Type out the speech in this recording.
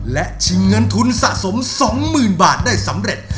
และชิงเงินทุนสะสม๒๐๐๐บาทได้สำเร็จ